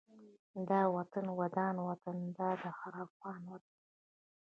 دا وطن ودان وطن دا د هر افغان وطن